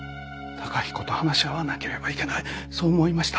崇彦と話し合わなければいけないそう思いました。